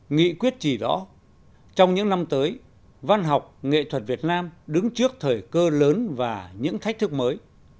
nghị quyết chỉ rõ trong những năm tới văn học nghệ thuật việt nam đứng trước thời cơ lớn và những thách thức mới